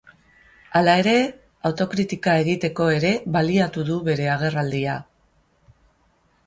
Hala ere, autokritika egiteko ere baliatu du bere agerraldia.